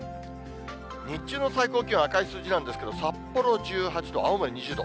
日中の最高気温、赤い数字なんですけれども、札幌１８度、青森２０度。